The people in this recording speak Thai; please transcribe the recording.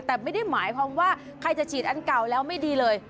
แต่ไม่ได้หมายความว่าใครจะฉีดอันเก่าแล้วไม่ดีเลย